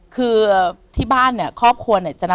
คือที่บ้านเนี่ยครอบครัวเนี่ยจะนับ